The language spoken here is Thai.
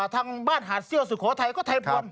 ทางบ้านหาดเซี่ยวสุโขทัยก็ไทยพล